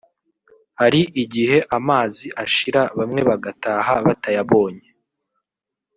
hari igihe amazi ashira bamwe bagataha batayabonye